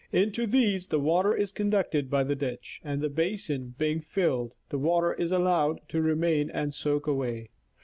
Into these the water is conducted by a ditch, and the basin being filled, the water is allowed to remain and soak away.